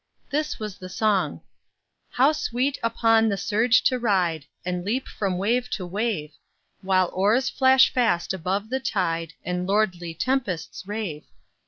This was the song: "How sweet upon the surge to ride, And leap from wave to wave, While oars flash fast above the tide And lordly tempests rave.